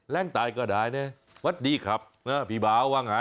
แรงตายก็ได้นะสวัสดีครับพี่บ้าว่าไง